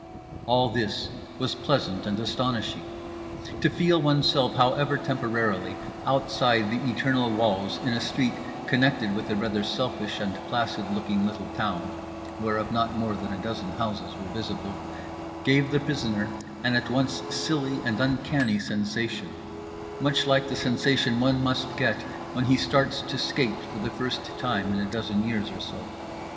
All this was pleasant and astonishing. To feel oneself, however temporarily, outside the eternal walls in a street connected with a rather selfish and placid looking little town (whereof not more than a dozen houses were visible) gave the prisoner an at once silly and uncanny sensation, much like the sensation one must get when he starts to skate for the first time in a dozen years or so.